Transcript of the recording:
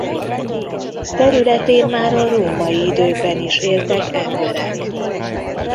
Területén már a római időkben is éltek emberek.